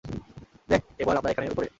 দেখ এবার আমরা এখানে উপরে!